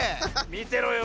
みてろよ！